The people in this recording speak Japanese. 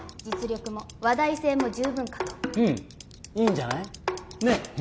実力も話題性も十分かとうんいいんじゃないねえ